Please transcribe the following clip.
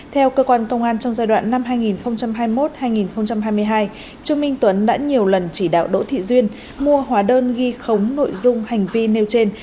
theo cơ quan công an trong giai đoạn năm hai nghìn hai mươi một hai nghìn hai mươi hai trương minh tuấn đã nhiều lần chỉ đạo đỗ thị duyên mua hóa đơn ghi khống nội dung hành vi nêu trên